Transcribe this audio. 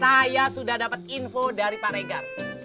saya sudah dapat info dari pak regar